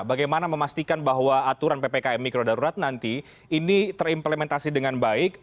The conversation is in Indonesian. bagaimana memastikan bahwa aturan ppkm mikro darurat nanti ini terimplementasi dengan baik